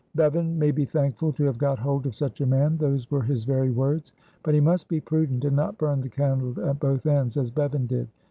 "'Bevan may be thankful to have got hold of such a man,' those were his very words. 'But he must be prudent and not burn the candle at both ends as Bevan did.